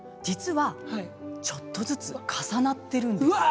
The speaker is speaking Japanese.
実はちょっとずつ重なっているんです。